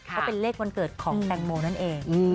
ก็เป็นเลขวันเกิดของแตงโมนั่นเอง